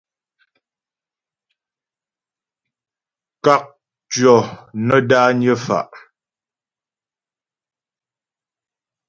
Kákcyɔ́ nə́ dányə́ fá'.